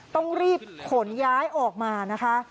ต้องรีบขนย้ายออกมานะคะ